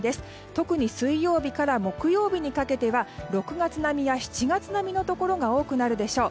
特に水曜日から木曜日にかけては６月並みや７月並みのところが多くなるでしょう。